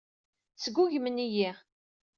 Sgugmen-iyi.